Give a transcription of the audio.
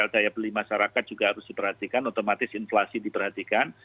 daya beli masyarakat juga harus diperhatikan otomatis inflasi diperhatikan